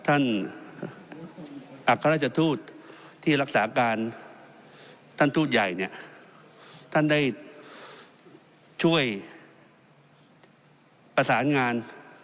ท่านอัครราชทูตที่รักษาการท่านทูตใหญ่เนี่ยท่านได้ช่วยประสานงาน